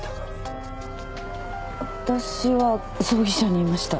私は葬儀社にいました。